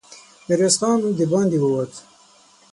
ميرويس خان د باندې ووت.